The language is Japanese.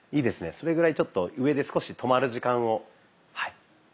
それぐらいちょっと上で少し止まる時間をはい。